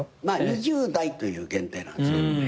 ２０台という限定なんですけどね。